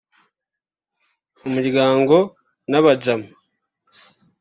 umuryango n’abajama